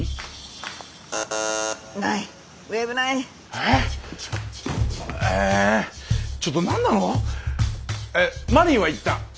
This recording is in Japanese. えっマリンは言った。